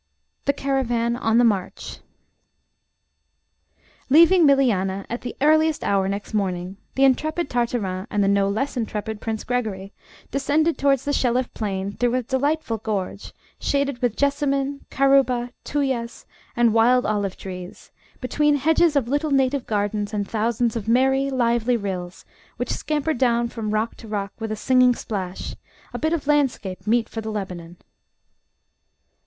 The Caravan on the March. LEAVING Milianah at the earliest hour next morning, the intrepid Tartarin and the no less intrepid Prince Gregory descended towards the Shelliff Plain through a delightful gorge shaded with jessamine, carouba, tuyas, and wild olive trees, between hedges of little native gardens and thousands of merry, lively rills which scampered down from rock to rock with a singing splash a bit of landscape meet for the Lebanon.